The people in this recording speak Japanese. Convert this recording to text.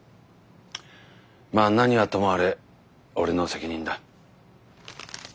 まあ何はともあれ俺の責任だ。